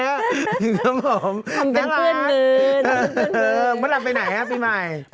ทำเป็นเพื่อนมือเป็นเพื่อนมือเออมันลักไปไหนฮะปีใหม่